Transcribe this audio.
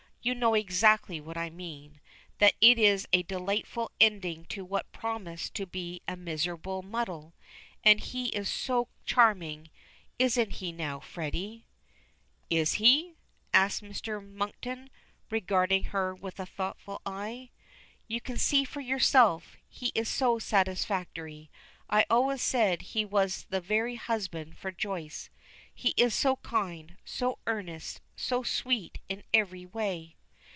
"You know exactly what I mean that it is a delightful ending to what promised to be a miserable muddle. And he is so charming; isn't he, now, Freddy?" "Is he?" asks Mr. Monkton, regarding her with a thoughtful eye. "You can see for yourself. He is so satisfactory. I always said he was the very husband for Joyce. He is so kind, so earnest, so sweet in every way."